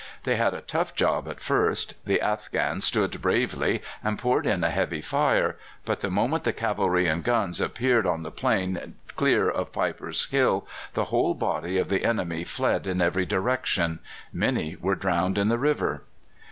They had a tough job at first. The Afghans stood bravely and poured in a heavy fire; but the moment the cavalry and guns appeared on the plain clear of Piper's Hill the whole body of the enemy fled in every direction. Many were drowned in the river.